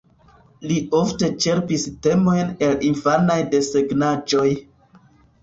Li ofte ĉerpis temojn el infanaj desegnaĵoj.